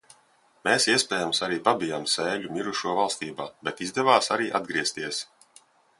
Mēs, iespējams, arī pabijām sēļu mirušo valstībā, bet izdevās arī atgriezties.